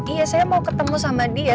iya saya mau ketemu sama dia